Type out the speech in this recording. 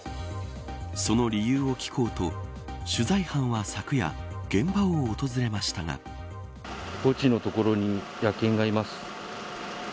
その理由を聞こうと取材班は、昨夜現場を訪れましたが墓地の所に野犬がいます。